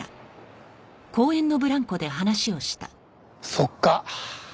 そっか。